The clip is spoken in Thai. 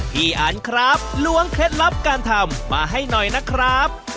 พี่อันครับล้วงเคล็ดลับการทำมาให้หน่อยนะครับ